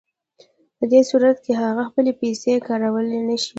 په دې صورت کې هغه خپلې پیسې کارولی نشي